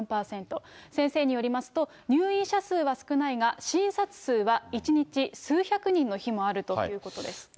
先生によりますと、入院者数は少ないが、診察数は１日数百人の日もあるということです。